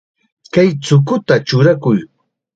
Kay chukuta chukukuy.